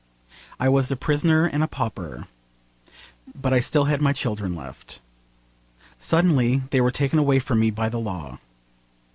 I was a prisoner and a pauper. But I still had my children left. Suddenly they were taken away from me by the law.